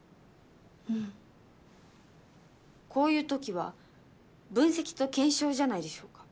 うんこういうときは分析と検証じゃないでしょうか？